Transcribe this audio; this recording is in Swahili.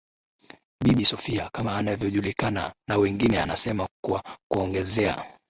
Bibi Sophia kama anavyojulikana na wengine anasema kwa kuongezea